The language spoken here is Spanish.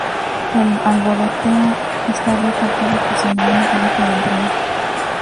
El arboreto está abierto al público sin ninguna tarifa de entrada.